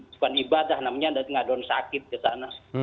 bukan ibadah namanya tapi tidak ada sakit di sana